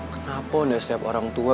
kenapa nih setiap orang tua